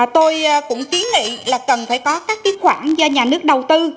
tôi cũng tiến nghị là cần phải có các tiết khoản do nhà nước đầu tư